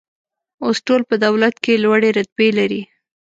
اوس ټول په دولت کې لوړې رتبې لري.